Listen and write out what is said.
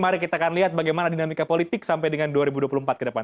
mari kita akan lihat bagaimana dinamika politik sampai dengan dua ribu dua puluh empat ke depan